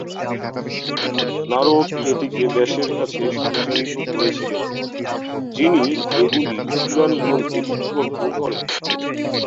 নারদ এটিকে ব্যাসের কাছে সঞ্চারিত করেছিলেন, যিনি এগুলি পুরাণ গ্রন্থে লিপিবদ্ধ করেন।